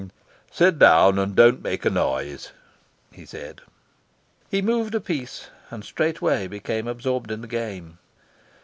"Sit down, and don't make a noise," he said. He moved a piece and straightway became absorbed in the game.